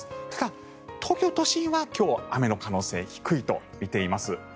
ただ、東京都心は今日、雨の可能性低いと見ています。